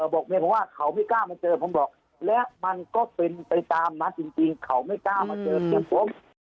บอกเมียผมว่าเขาไม่กล้ามาเจอผมหรอกและมันก็เป็นไปตามนั้นจริงเขาไม่กล้ามาเจอเพียงผม